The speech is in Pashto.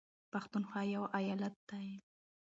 پښنونخوا يو ايالت دى